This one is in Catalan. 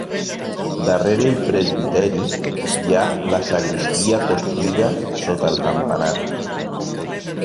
Darrere el presbiteri hi ha la sagristia construïda sota el campanar.